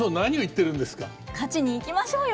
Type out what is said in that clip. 勝ちに行きましょうよ。